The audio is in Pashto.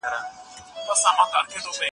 له وخت سره یې جنګ لنډوي زلفي په قوس کي